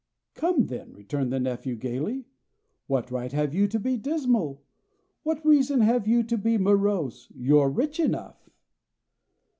"Come then," returned the nephew gaily. "What right have you to be dismal? What reason have you to be morose? You're rich enough."